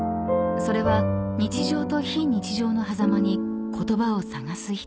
［それは日常と非日常のはざまに言葉を探すひととき］